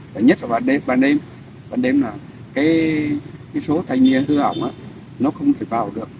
và nhất là vào ban đêm ban đêm nào cái số thay nhiên hư hỏng á nó không thể vào được